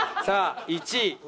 さあ１位。